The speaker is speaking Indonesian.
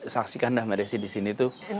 saksikan dah madaesi di sini tuh